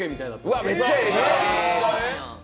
うわ、めっちゃええな。